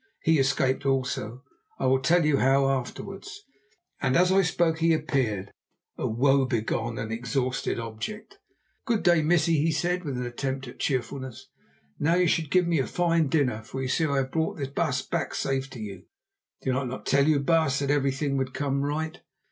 He escaped also; I will tell you how afterwards." And as I spoke he appeared, a woebegone and exhausted object. "Good day, missie," he said with an attempt at cheerfulness. "Now you should give me a fine dinner, for you see I have brought the baas back safe to you. Did I not tell you, baas, that everything would come right?"